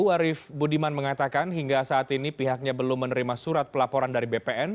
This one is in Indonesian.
arief budiman mengatakan hingga saat ini pihaknya belum menerima surat pelaporan dari bpn